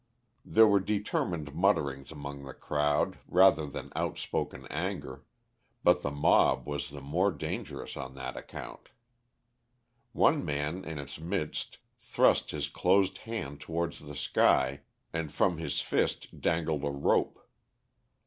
There were determined mutterings among the crowd rather than outspoken anger, but the mob was the more dangerous on that account. One man in its midst thrust his closed hand towards the sky, and from his fist dangled a rope.